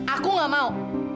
aku gak mau